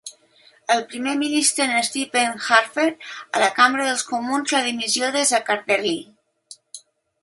El primer ministre Stephen Harper a la Cambra dels Comuns la dimissió de Zaccardelli.